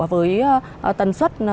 với tần suất thường